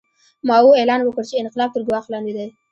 ماوو اعلان وکړ چې انقلاب تر ګواښ لاندې دی.